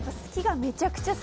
めちゃくちゃ。